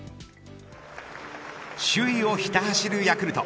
首位委をひた走るヤクルト。